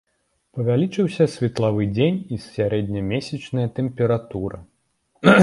Павялічыўся светлавы дзень і сярэднямесячная тэмпература.